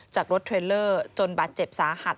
จากรถเทรลเลอร์จนบาดเจ็บสาหัส